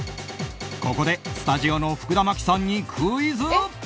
ここでスタジオの福田麻貴さんにクイズ。